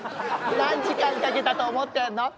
何時間かけたと思ってんの？